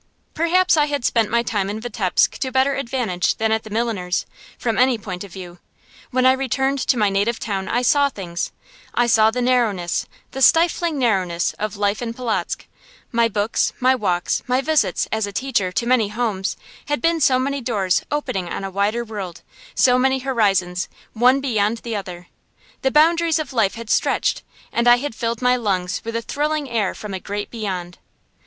Perhaps I had spent my time in Vitebsk to better advantage than at the milliner's, from any point of view. When I returned to my native town I saw things. I saw the narrowness, the stifling narrowness, of life in Polotzk. My books, my walks, my visits, as teacher, to many homes, had been so many doors opening on a wider world; so many horizons, one beyond the other. The boundaries of life had stretched, and I had filled my lungs with the thrilling air from a great Beyond.